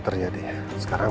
belum lagi nyerah ya